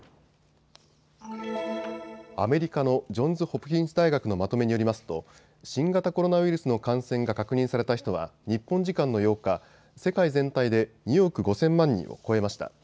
アメリカのジョンズ・ホプキンス大学のまとめによりますと新型コロナウイルスの感染が確認された人は日本時間の８日、世界全体で２億５０００万人を超えました。